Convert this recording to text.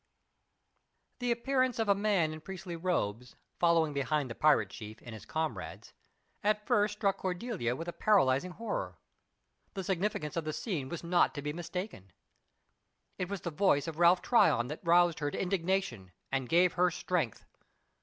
The appearance of a man in priestly robes, following behind the pirate chief and his comrades, at first struck Cordelia with a paralyzing horror. The significance of the scene was not to be mistaken. It was the voice of Ralph Tryon that roused her to indignation and gave her strength.